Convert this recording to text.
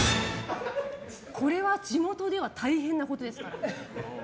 これは地元では大変なことですから。